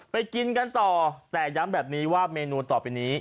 กินกันต่อแต่ย้ำแบบนี้ว่าเมนูต่อไปนี้